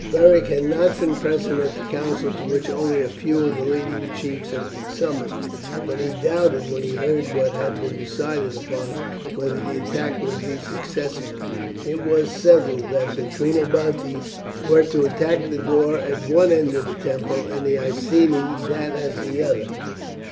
Beric had not been present at the council, to which only a few of the leading chiefs had been summoned; but he doubted, when he heard what had been decided upon, whether the attack would be successful. It was settled that the Trinobantes were to attack the door at one end of the temple, and the Iceni that at the other.